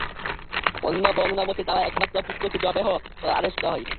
অন্য বর্ণনা মতে, তাঁর একমাত্র পুত্রকে যবেহ করার আদেশ দেয়া হয়।